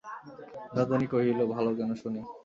বিনোদিনী কহিল, ভালো কেন, শুনি।